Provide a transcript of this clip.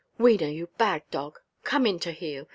"Wena, you bad dog, come in to heel.